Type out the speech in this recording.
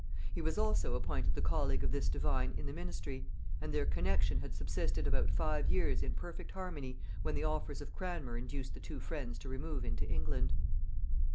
He was also appointed the colleague of this divine in the ministry, and their connexion had subsisted about five years in perfect harmony when the offers of Cranmer induced the two friends to remove into England.